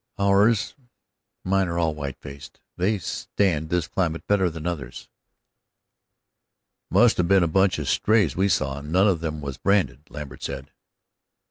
"Ours mine are all white faced. They stand this climate better than any other." "It must have been a bunch of strays we saw none of them was branded," Lambert said.